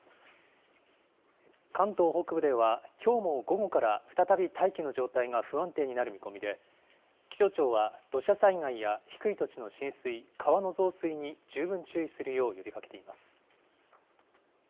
関東北部では、きょうも午後から再び大気の状態が不安定になる見込みで、気象庁は土砂災害や低い土地の浸水、川の増水に十分注意するよう呼びかけています。